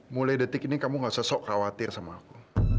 mulai detik ini kamu gak sosok khawatir sama aku